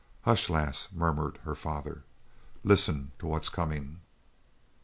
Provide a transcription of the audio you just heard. "Hush, lass!" murmured her father. "Listen to what's coming!"